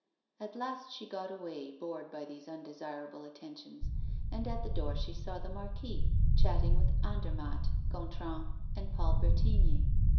At last, she got away, bored by these undesirable attentions, and at the door she saw the Marquis chatting with Andermatt, Gontran, and Paul Bretigny.